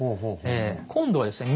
今度はですね